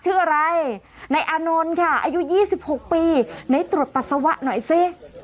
ชื่ออะไรนายอานนท์ค่ะอายุยี่สิบหกปีนายตรวจปัสสาวะหน่อยสิ